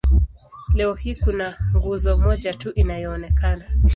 Leo hii kuna nguzo moja tu inayoonekana.